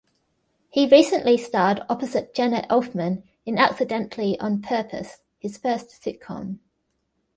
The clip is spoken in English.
He recently starred opposite Jenna Elfman in "Accidentally on Purpose", his first sitcom.